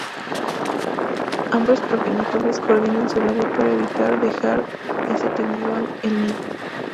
Ambos progenitores coordinan su labor para evitar dejar desatendido el nido.